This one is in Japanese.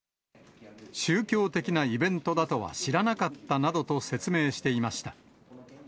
宗教的なイベントだとは知らなかったなどと説明していました。